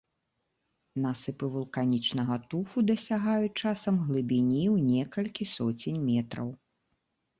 Насыпы вулканічнага туфу дасягаюць часам глыбіні ў некалькі соцень метраў.